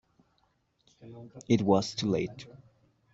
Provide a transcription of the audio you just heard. It was too late.